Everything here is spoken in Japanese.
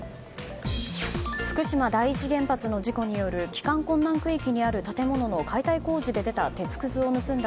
福島第一原発の事故による帰還困難区域にある解体工事で出た鉄くずを盗んだ